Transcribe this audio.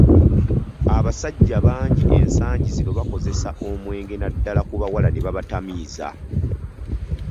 Abasajja bangi ensangi zino bakozesa omwenge naddala ku bawala ne babatamiiza.